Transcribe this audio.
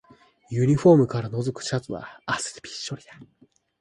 ユニフォームからのぞくシャツは汗でびっしょりだ